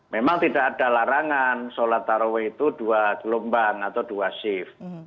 memang tidak ada larangan sholat taraweh itu dua gelombang atau dua shift